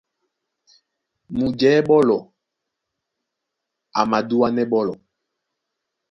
Mujɛ̌ɓólɔ a madúánɛ́ ɓɔ́lɔ̄.